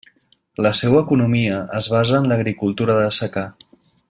La seua economia es basa en l'agricultura de secà.